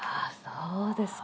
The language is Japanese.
そうですか。